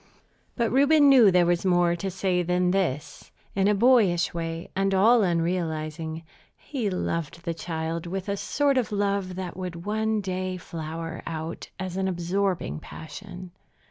But Reuben knew there was more to say than this. In a boyish way, and all unrealizing, he loved the child with a sort of love that would one day flower out as an absorbing passion.